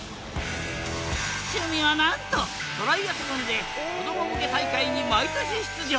趣味はなんとトライアスロンで子ども向け大会に毎年出場。